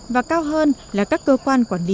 và cao hơn là các cơ quan quản lý